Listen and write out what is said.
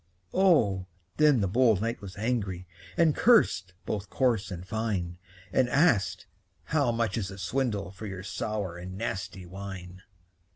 Oh, then the bold knight was angry, And cursed both coarse and fine; And asked, "How much is the swindle For your sour and nasty wine?"